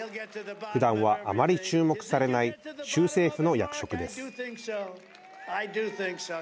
ふだんは、あまり注目されない州政府の役職です。